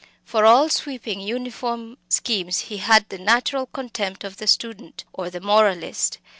For all sweeping uniform schemes he had the natural contempt of the student or the moralist.